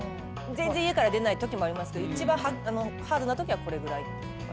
全然家から出ないときもありますけど一番ハードなときはこれぐらい。